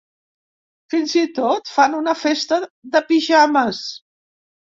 Fins i tot hi fan una festa de pijames!